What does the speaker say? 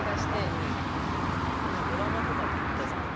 あのね今ドラマとかって言ったじゃん。